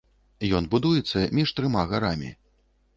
Ён будуецца між трыма гарамі.